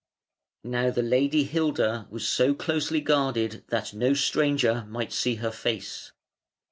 Now the Lady Hilda was so closely guarded that no stranger might see her face.